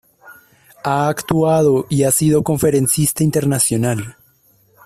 Ha actuado y ha sido conferencista internacional.